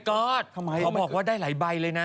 ก๊อตเขาบอกว่าได้หลายใบเลยนะ